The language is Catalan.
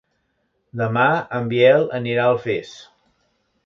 Demà en Biel anirà a Alfés.